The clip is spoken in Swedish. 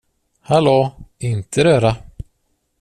Hallå, inte röra.